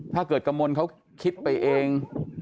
ถ้าเกิดกระมนเขาคิดไปเอง